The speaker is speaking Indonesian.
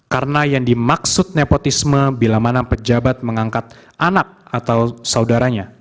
karena yang dimaksud nepotisme bila mana pejabat mengangkat anak atau saudaranya